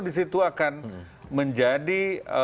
disitu akan menjadi